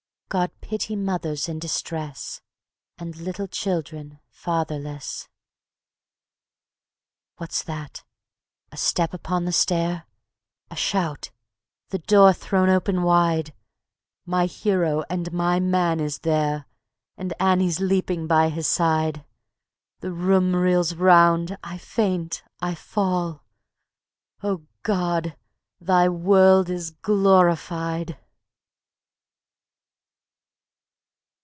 "God pity mothers in distress, And little children fatherless." ..... What's that? a step upon the stair; A shout! the door thrown open wide! My hero and my man is there, And Annie's leaping by his side. ... The room reels round, I faint, I fall. ... "O God! Thy world is glorified."